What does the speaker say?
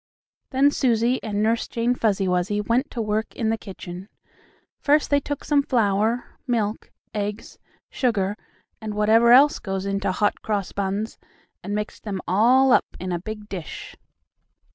Then Susie and Nurse Jane Fuzzy Wuzzy went to work in the kitchen. First they took some flour, milk, eggs, sugar and whatever else goes into Hot Cross Buns, and mixed them all up in a big dish.